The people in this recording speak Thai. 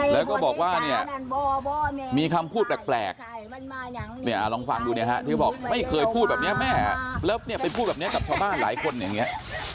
แล้วก็บอกว่าเนี่ยมีคำพูดแปลกลองฟังดูเนี่ยฮะที่เขาบอกไม่เคยพูดแบบนี้แม่แล้วเนี่ยไปพูดแบบนี้กับชาวบ้านหลายคนอย่างนี้